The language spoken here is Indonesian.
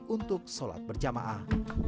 untuk sholat berjamaah